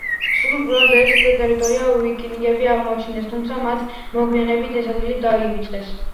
სულ პირველად ეს ტერიტორიები ვიკინგებმა აღმოაჩინეს, თუმცა მათ მოგვიანებით ეს ადგილები დაივიწყეს.